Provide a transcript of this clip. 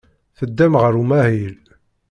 Teddam ɣer umahil.